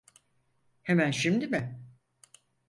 Hemen şimdi mi?